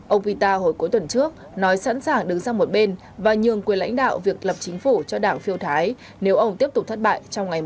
ông pita hồi cuối tuần trước nói sẵn sàng đứng sang một bên và nhường quyền lãnh đạo việc lập chính phủ cho đảng phiêu thái nếu ông tiếp tục thất bại trong ngày một mươi chín bảy